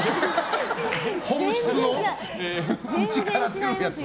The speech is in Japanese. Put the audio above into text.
本質を内から出るやつ。